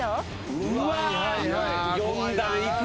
うわ４段いく？